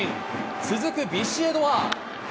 続くビシエドは。